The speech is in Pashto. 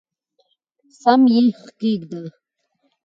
سم یې کښېږده !